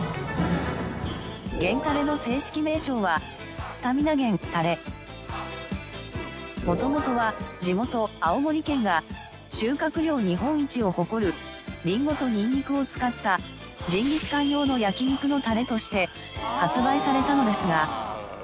源たれの正式名称はもともとは地元青森県が収穫量日本一を誇るリンゴとニンニクを使ったジンギスカン用の焼肉のタレとして発売されたのですが。